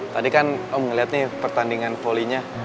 tadi kan om ngeliat nih pertandingan volleynya